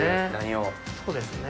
そうですね。